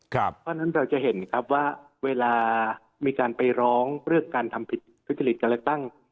เพราะฉะนั้นเราจะเห็นครับว่าเวลามีการไปร้องเรื่องการทำผิดทุจริตการเลือกตั้ง